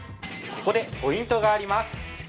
ここでポイントがあります。